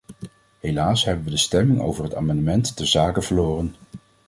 Helaas hebben we de stemming over het amendement ter zake verloren.